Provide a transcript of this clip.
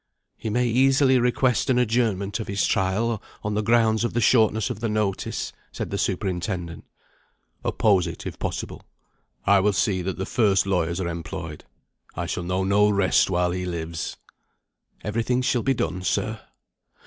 "He may easily request an adjournment of his trial, on the ground of the shortness of the notice," said the superintendent. "Oppose it, if possible. I will see that the first lawyers are employed. I shall know no rest while he lives." "Every thing shall be done, sir."